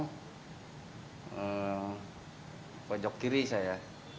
di pojok kiri saya